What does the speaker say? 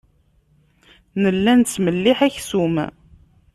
Nella nettmelliḥ aksum.